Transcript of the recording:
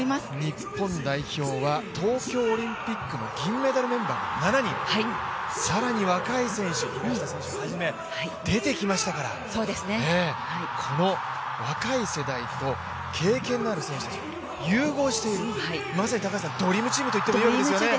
日本代表は東京オリンピックの銀メダルメンバーが７人、更に若い、平下選手初め、出てきましたから、若い世代と経験のある選手たちを融合している、まさにドリームチームと言ってもいいですよね。